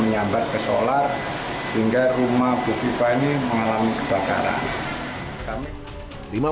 menyambar solar hingga rumah bufifa ini mengalami kebakaran